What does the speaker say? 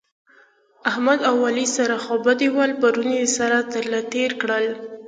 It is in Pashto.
احمد او علي سره خوابدي ول؛ پرون يې سره تر له تېر کړل